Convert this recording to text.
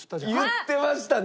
言ってましたね。